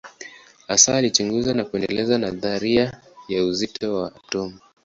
Hasa alichunguza na kuendeleza nadharia ya uzito wa atomu.